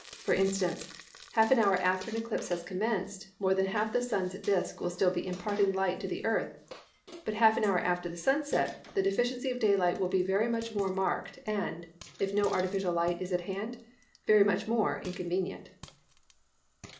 For instance, half an hour after an eclipse has commenced more than half the Sun's disc will still be imparting light to the Earth: but half an hour after sunset the deficiency of daylight will be very much more marked and, if no artificial light is at hand, very much more inconvenient.